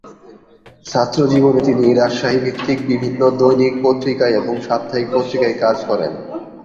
ছাত্রজীবনে তিনি রাজশাহী ভিত্তিক বিভিন্ন দৈনিক পত্রিকায় এবং সাপ্তাহিক পত্রিকায় কাজ করেন।